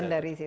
ada di situ